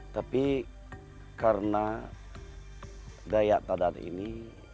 tapi karena daya tadar ini